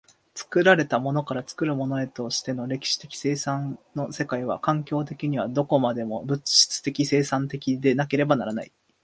作られたものから作るものへとしての歴史的生産の世界は、環境的にはどこまでも物質的生産的でなければならない。